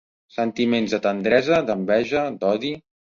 Sentiments de tendresa, d'enveja, d'odi.